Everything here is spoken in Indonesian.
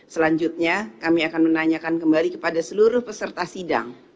selanjutnya kami akan menanyakan kembali kepada seluruh peserta sidang